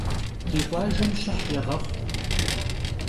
Di khuajjem şıh yêğexhu.